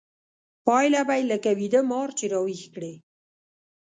پايله به يې لکه ويده مار چې راويښ کړې.